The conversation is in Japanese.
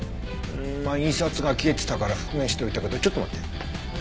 まあ印刷が消えてたから復元しといたけどちょっと待って。